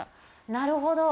なるほど！